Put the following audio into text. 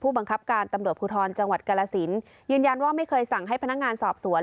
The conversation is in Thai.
บังคับการตำรวจภูทรจังหวัดกาลสินยืนยันว่าไม่เคยสั่งให้พนักงานสอบสวน